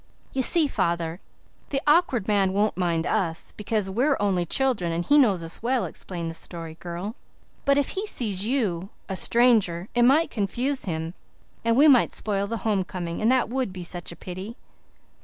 "You see, father, the Awkward Man won't mind us, because we're only children and he knows us well," explained the Story Girl, "but if he sees you, a stranger, it might confuse him and we might spoil the homecoming, and that would be such a pity."